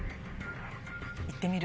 行ってみる？